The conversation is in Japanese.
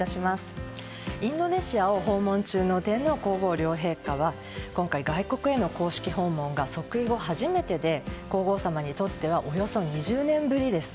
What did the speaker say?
インドネシアを訪問中の天皇・皇后両陛下は今回、外国への公式訪問が即位後初めてで皇后さまにとってはおよそ２０年ぶりです。